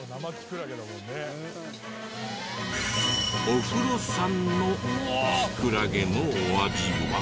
お風呂産のキクラゲのお味は？